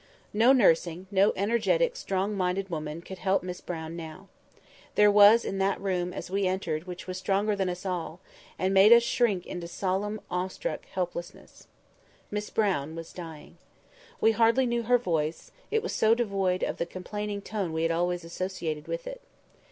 No nursing—no energetic strong minded woman could help Miss Brown now. There was that in the room as we entered which was stronger than us all, and made us shrink into solemn awestruck helplessness. Miss Brown was dying. We hardly knew her voice, it was so devoid of the complaining tone we had always associated with it.